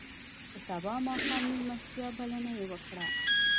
د سبا ماښام میلمستیا بلنه یې وکړه.